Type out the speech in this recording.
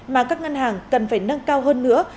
mà các ngân hàng cần phải nâng cao hơn nữa